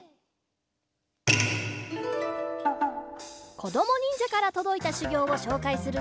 こどもにんじゃからとどいたしゅぎょうをしょうかいするぞ！